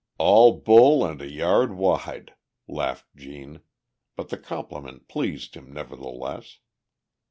"All bull and a yard wide!" laughed Gene, but the compliment pleased him, nevertheless.